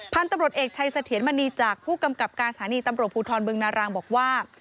พันธุ์ตำรวจเอกชัยเสถียรมณีจากผู้กำกับการสถานีตำรวจภูทรบึงนารางบอกว่า